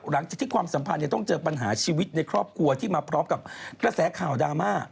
หลังจากที่ความสัมพันธ์ต้องเจอปัญหาชีวิตในครอบครัวที่มาพร้อมกับกระแสข่าวดราม่า